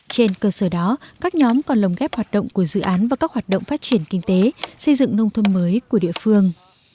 trên cơ sở đó các nhóm còn lồng ghép hoạt động của dự án và các hoạt động phát triển kinh tế xây dựng nông thôn mới của địa phương